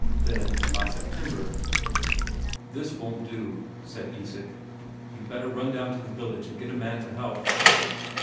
Then by September: "This won't do," said Isak. "You'd better run down to the village and get a man to help."